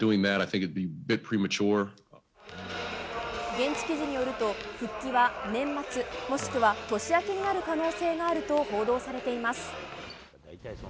現地記事によると、復帰は年末もしくは年明けになる可能性があると報道されています。